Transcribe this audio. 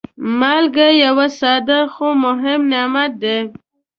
مالګه یو ساده، خو مهم نعمت دی.